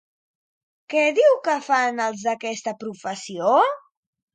Què diu que fan els d'aquesta professió?